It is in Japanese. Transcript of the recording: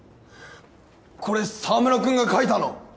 これ沢村くんが描いたの？